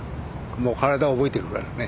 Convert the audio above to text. もう体は覚えてるからね。